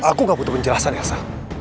aku gak butuh penjelasan elsa